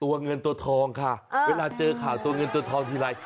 เงินตัวทองค่ะเวลาเจอข่าวตัวเงินตัวทองทีไร